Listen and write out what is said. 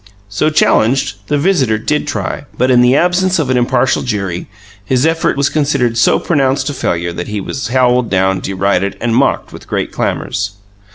So challenged, the visitor did try, but, in the absence of an impartial jury, his effort was considered so pronounced a failure that he was howled down, derided, and mocked with great clamours.